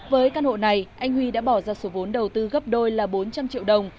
với căn hộ này anh huy đã bỏ ra số vốn đầu tư gấp đôi là bốn trăm linh triệu đồng